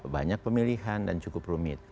banyak pemilihan dan cukup rumit